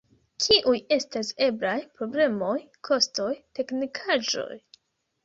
Kiuj estas eblaj problemoj, kostoj, teknikaĵoj?